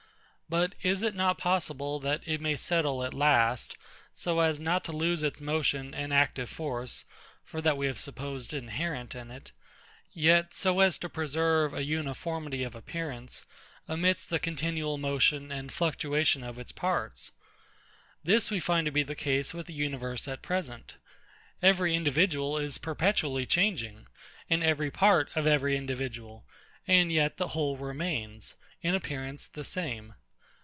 But is it not possible that it may settle at last, so as not to lose its motion and active force (for that we have supposed inherent in it), yet so as to preserve an uniformity of appearance, amidst the continual motion and fluctuation of its parts? This we find to be the case with the universe at present. Every individual is perpetually changing, and every part of every individual; and yet the whole remains, in appearance, the same.